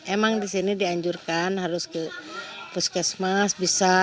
emang di sini dianjurkan harus ke puskesmas bisa